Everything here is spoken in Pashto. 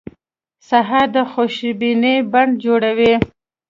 سهار د خوشبینۍ بڼ جوړوي.